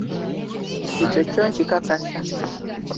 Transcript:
Ekyo kyo nkikakasa.